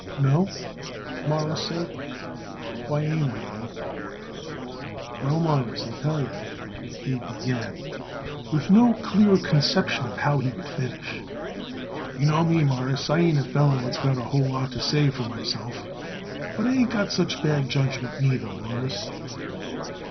"No?" Morris said. "Why ain't I, Abe?" "Well, Mawruss, I'll tell you," Abe began, with no clear conception of how he would finish. "You know me, Mawruss; I ain't a feller what's got a whole lot to say for myself, but I ain't got such bad judgment, neither, Mawruss."